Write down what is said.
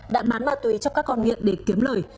đã bán ma túy cho các con nghiện để kiếm lời